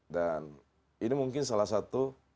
dan ini mungkin salah satu